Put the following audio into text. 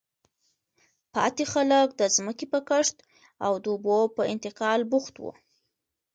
پاتې خلک د ځمکې په کښت او د اوبو په انتقال بوخت وو.